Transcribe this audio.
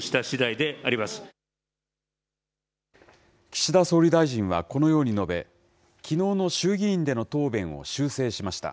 岸田総理大臣はこのように述べ、きのうの衆議院での答弁を修正しました。